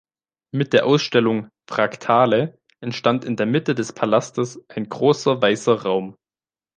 Mit der Ausstellung "Fraktale" entstand in der Mitte des Palastes ein großer weißer Raum.